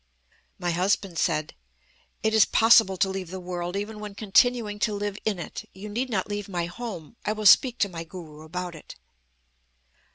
"My husband said: 'It is possible to leave the world, even when continuing to live in it. You need not leave my home. I will speak to my Guru about it.'